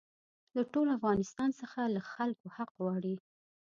له ټول افغانستان څخه له خلکو حق غواړي.